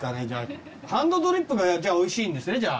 じゃあハンドドリップがおいしいんですね？